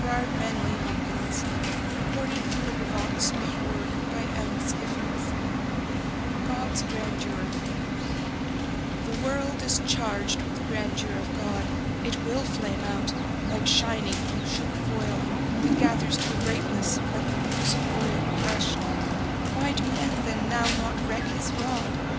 Mine, O thou lord of life, send my roots rain. Gerard Manley Hopkins God's Grandeur THE world is charged with the grandeur of God. It will flame out, like shining from shook foil; It gathers to a greatness, like the ooze of oil Crushed. Why do men then now not reck his rod?